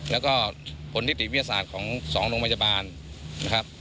แล้วก็ผลนิติวิทยาศาสตร์ของ๒โรงพยาบาลนะครับ